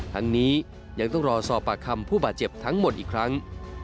ทั้งนี้ยังต้องรอสอบปากคำผู้บาดเจ็บทั้งหมดอีกครั้ง